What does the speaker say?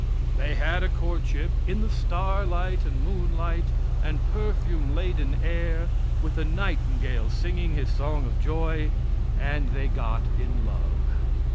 They had a courtship in the starlight and moonlight, and perfume laden air, with the nightingale singing his song of joy, and they got in love.